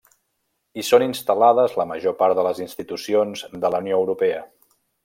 Hi són instal·lades la major part de les institucions de la Unió Europea.